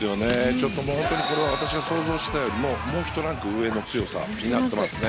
ちょっと本当に私が想像していたよりもうひとランク上の強さになっていますね。